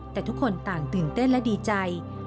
แต่ทุกคนต่างตื่นเต้นและดีใจ